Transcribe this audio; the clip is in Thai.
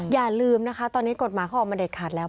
อย่าลืมนะคะตอนนี้กฎหมายเขาออกมาเด็ดขาดแล้ว